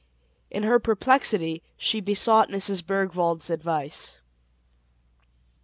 In her perplexity, she besought Mrs. Bergwald's advice.